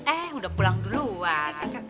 eh udah pulang dulu wak